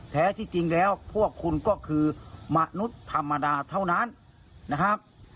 แท้ที่จริงแล้วพวกคุณก็คือมนุษย์ธรรมดาเท่านั้นนะครับ